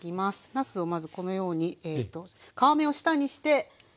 なすをまずこのように皮目を下にして入れます。